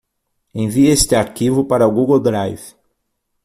Envie este arquivo para o Google Drive.